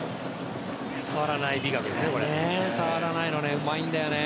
触らない美学ですね。